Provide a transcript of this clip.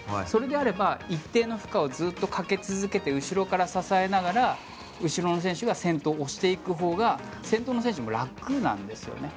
それであれば一定の負荷をずっとかけ続けて後ろから支えながら後ろの選手が先頭を押すほうが先頭の選手も楽なんです。